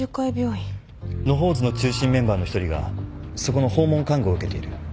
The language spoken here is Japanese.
野放図の中心メンバーの一人がそこの訪問看護を受けている。